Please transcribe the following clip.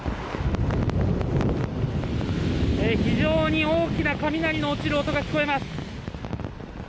非常に大きな雷の落ちる音が聞こえます。